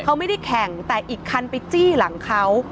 เขาไม่ได้แข่งแต่อีกคันไปจี้หลังเขา